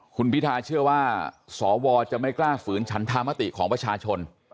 คุณพิทาเชื่อว่าสวจะไม่กล้าฝืนฉันธรรมติของประชาชน